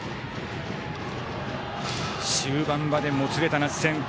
終盤までもつれた熱戦。